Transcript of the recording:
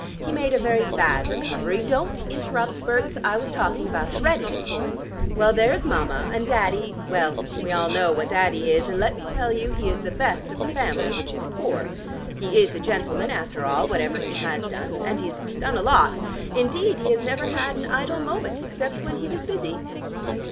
He made a very bad recovery. Don't interrupt, Berts: I was talking about heredity. Well, there's Mama, and Daddy, well, we all know what Daddy is, and let me tell you he is the best of the family, which is poor. He is a gentleman after all, whatever he has done. And he's done a lot. Indeed he has never had an idle moment, except when he was busy!"